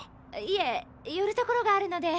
いえ寄るところがあるので。